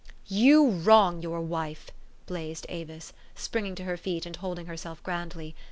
" You wrong your wife !" blazed Avis, springing to her feet, and holding herself grandly.